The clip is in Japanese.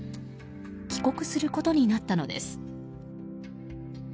帰国することになったのです。